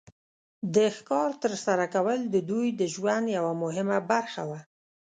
د ښکار تر سره کول د دوی د ژوند یو مهمه برخه وه.